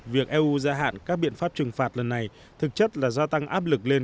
việc eu gia hạn các biện pháp trừng phạt lần này thực chất là gia tăng áp lực lên